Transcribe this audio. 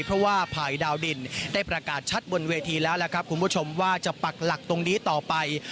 เพราะว่าภายดาวดินได้ประกาศชัดบนเวทีแล้วล่ะครับคุณผู้ชมว่าจะปักหลักตรงนี้ต่อไป